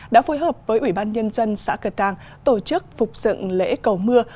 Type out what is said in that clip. đã phối hợp với ủy ban nhân dân xã cờ tàng tổ chức phục dựng lễ cầu mưa